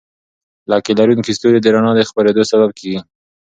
لکۍ لرونکي ستوري د رڼا د خپرېدو سبب کېږي.